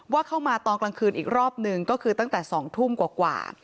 เข้ามาตอนกลางคืนอีกรอบหนึ่งก็คือตั้งแต่๒ทุ่มกว่า